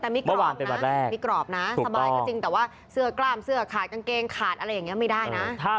แต่มีกรอบนะมีกรอบนะสบายก็จริงแต่ว่าเสื้อกล้ามเสื้อขาดกางเกงขาดอะไรอย่างนี้ไม่ได้นะ